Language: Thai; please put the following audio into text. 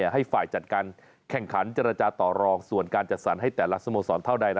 ให้ฝ่ายจัดการแข่งขันเจรจาต่อรองส่วนการจัดสรรให้แต่ละสโมสรเท่าใด